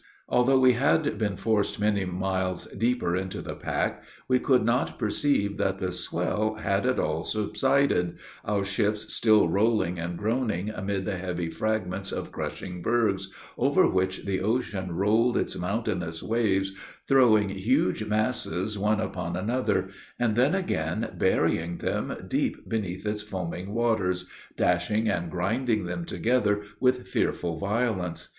Although we had been forced many miles deeper into the pack, we could not perceive that the swell had at all subsided, our ships still rolling and groaning amid the heavy fragments of crushing bergs, over which the ocean rolled its mountainous waves, throwing huge masses one upon another, and then again burying them deep beneath its foaming waters, dashing and grinding them together with fearful violence.